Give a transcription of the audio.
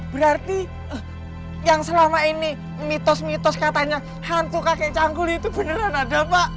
berarti yang selama ini mitos mitos katanya hantu kakek canggul itu beneran ada pak